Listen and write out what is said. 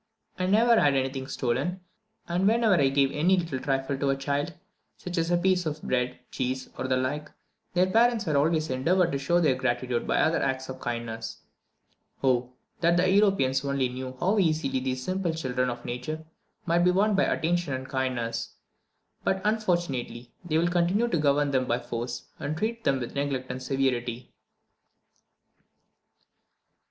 I never had anything stolen, and when ever I gave any little trifle to a child, such as a piece of bread, cheese, or the like, their parents always endeavoured to show their gratitude by other acts of kindness. Oh, that the Europeans only knew how easily these simple children of nature might be won by attention and kindness! But, unfortunately, they will continue to govern them by force, and treat them with neglect and severity.